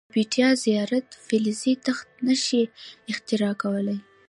د بیټا ذرات فلزي تخته نه شي اختراق کولای.